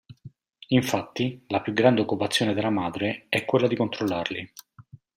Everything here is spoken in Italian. Infatti, la più grande occupazione della madre è quella di controllarli.